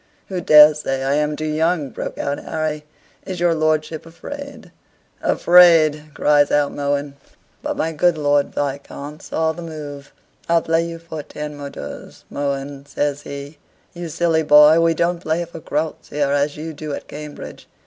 "Who dares say I am too young?" broke out Harry. "Is your lordship afraid?" "Afraid!" cries out Mohun. But my good Lord Viscount saw the move "I'll play you for ten moidores, Mohun," says he. "You silly boy, we don't play for groats here as you do at Cambridge."